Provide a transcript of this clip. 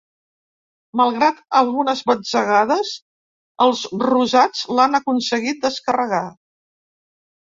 Malgrat algunes batzegades, els rosats l’han aconseguit descarregar.